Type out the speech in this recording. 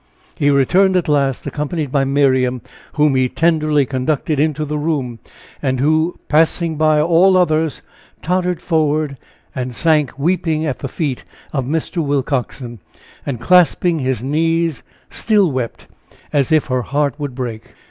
He returned at last, accompanied by Miriam, whom he tenderly conducted into the room, and who, passing by all others, tottered forward, and sank, weeping, at the feet of Mr. Willcoxen, and clasping his knees, still wept, as if her heart would break.